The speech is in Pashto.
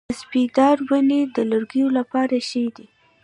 د سپیدار ونې د لرګیو لپاره ښې دي؟